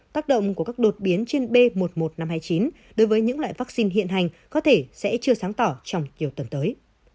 tác động của các đột biến trên b một mươi một nghìn năm trăm hai mươi chín đối với những loại vaccine hiện hành có thể sẽ chưa sáng tỏ trong nhiều tuần tới